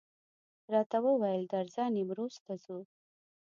راته وویل درځه نیمروز ته ځو.